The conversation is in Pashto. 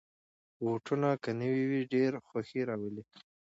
بوټونه که نوې وي، ډېر خوښي راولي.